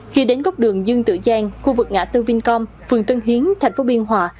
khi đến góc đường dương tự giang khu vực ngã tân vinh công phường tân hiến thành phố biên hòa